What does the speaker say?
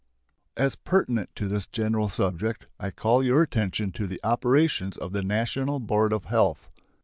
As pertinent to this general subject, I call your attention to the operations of the National Board of Health.